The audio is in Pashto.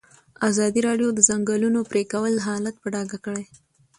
ازادي راډیو د د ځنګلونو پرېکول حالت په ډاګه کړی.